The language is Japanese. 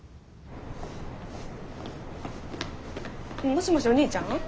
もしもしお兄ちゃん？